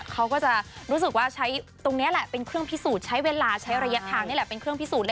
เขาก็จะรู้สึกว่าใช้ตรงนี้แหละเป็นเครื่องพิสูจน์ใช้เวลาใช้ระยะทางนี่แหละเป็นเครื่องพิสูจน์